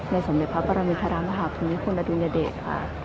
ในศัลยภพประมิตรมาหักคุณยุคุณณฎุญเดตค่ะ